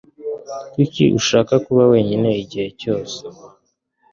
Kuki ushaka kuba wenyine igihe cyose?